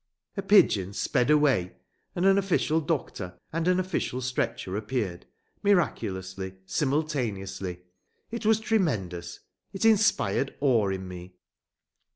A pigeon sped away and an official doctor and an official stretcher appeared, miraculously, simultaneously. It was tremendous. It inspired awe in me.